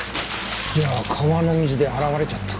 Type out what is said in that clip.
じゃあ川の水で洗われちゃったか。